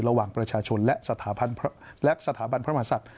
ระหว่างประชาชนและสถาบันพระมหาศัตริย์